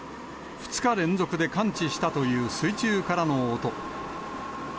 ２日連続で感知したという水中からの音。